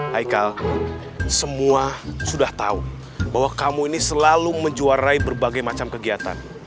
haikal semua sudah tahu bahwa kamu ini selalu menjuarai berbagai macam kegiatan